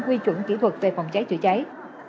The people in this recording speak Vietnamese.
quy chuẩn kỹ thuật về phòng cháy chữa cháy